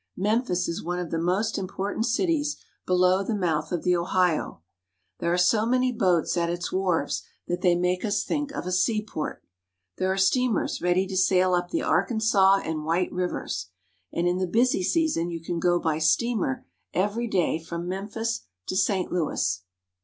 Memphis is one of the most important cities below the mouth of the Ohio. There are so many boats at its wharves that they make us think of a seaport. There are steamers ready to sail up the Arkansas and White rivers, and in the busy season you can go by steamer every day from Memphis to St. Louis.